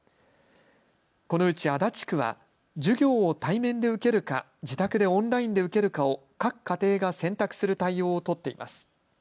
このうち足立区は授業を対面で受けるか自宅でオンラインで受けるかを各家庭が選択する対応を取っています。